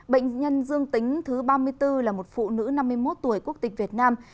bệnh nhân dương tính thứ ba mươi bốn là một phụ nữ năm mươi một tuổi quốc tịch việt nam